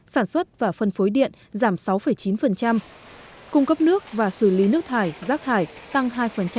sản xuất và phân phối điện giảm sáu chín cung cấp nước và xử lý nước thải rác thải tăng hai